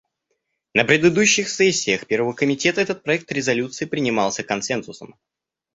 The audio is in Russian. На предыдущих сессиях Первого комитета этот проект резолюции принимался консенсусом.